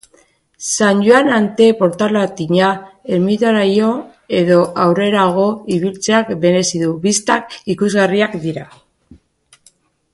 San Joan Ante Portalatiña ermitaraino edo aurrerago ibiltzeak merezi du, bistak ikusgarriak dira.